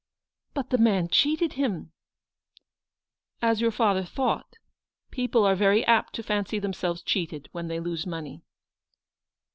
"But the man cheated him !" "As your father thought. People are very apt to fancy themselves cheated when they lose money."